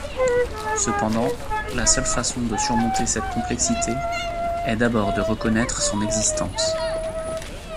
Cependant, la seule façon de surmonter cette complexité est d'abord de reconnaître son existence.